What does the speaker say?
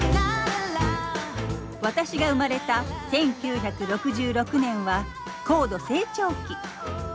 私が生まれた１９６６年は高度成長期。